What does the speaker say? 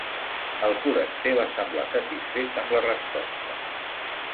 El foraster va semblar satisfet amb la resposta.